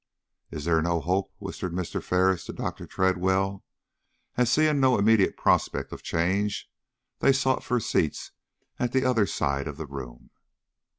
"Is there no hope?" whispered Mr. Ferris to Dr. Tredwell, as, seeing no immediate prospect of change, they sought for seats at the other side of the room.